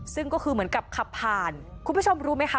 ซึ่งก็คือเหมือนกับขับผ่านคุณผู้ชมรู้ไหมคะ